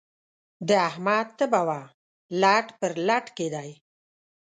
د احمد تبه وه؛ لټ پر لټ کېدی.